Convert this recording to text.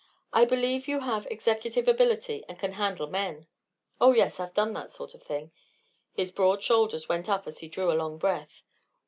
I believe you have executive ability and can handle men." "Oh yes; I've done that sort of thing." His broad shoulders went up as he drew a long breath.